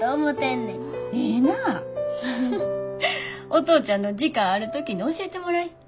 お父ちゃんの時間ある時に教えてもらい。